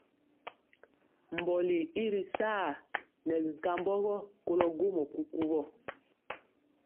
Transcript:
Mbɔli i ri saa nɛ binkambɔgɔ kolɔ gwomɔ kukuwɔ.